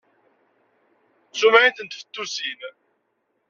D tumεint n tfettusin!